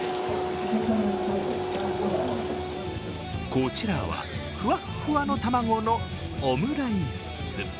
こちらは、ふわっふわの卵のオムライス。